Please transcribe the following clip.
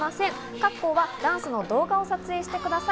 各校がダンスの動画を撮影してください。